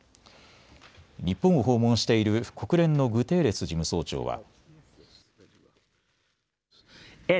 日本を訪問している国連のグテーレス事務総長は。